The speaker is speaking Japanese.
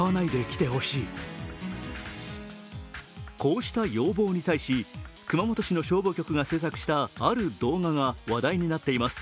こうした要望に対し熊本市の消防局が制作したある動画が話題になっています。